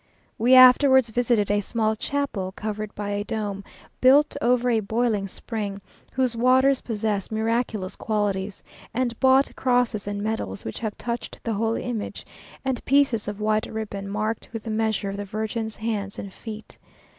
We afterwards visited a small chapel, covered by a dome, built over a boiling spring, whose waters possess miraculous qualities, and bought crosses and medals which have touched the holy image, and pieces of white ribbon, marked with the measure of the Virgin's hands and feet.